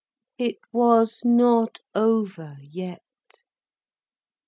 It was not over yet.